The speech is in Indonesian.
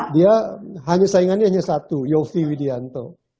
dia hanya saingannya hanya satu yofi widianto